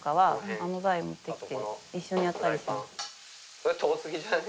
それ遠すぎじゃね？